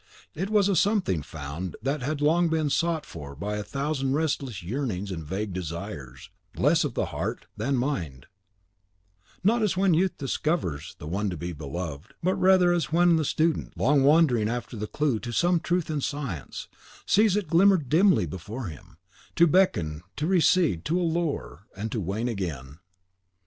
It was a something found that had long been sought for by a thousand restless yearnings and vague desires, less of the heart than mind; not as when youth discovers the one to be beloved, but rather as when the student, long wandering after the clew to some truth in science, sees it glimmer dimly before him, to beckon, to recede, to allure, and to wane again.